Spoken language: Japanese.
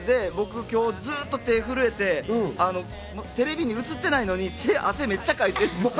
今日僕、ずっと手が震えて、テレビに映ってないのに手汗めっちゃかいてるんですよ。